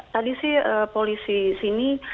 tadi sih polisi sini